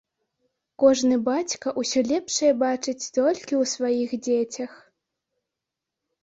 Кожны бацька ўсё лепшае бачыць толькі ў сваіх дзецях.